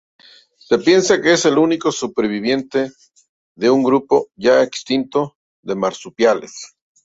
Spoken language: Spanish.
Se piensa que es el único superviviente de un grupo ya extinto de marsupiales.